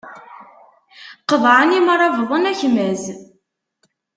Qeḍɛen imrabḍen akmaz.